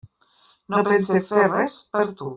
No pense fer res per tu.